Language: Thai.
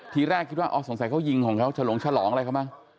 ทีแรกคิดว่าอ๋อสงสัยเขายิงของเขาฉลงฉลองอะไรเขามั้ง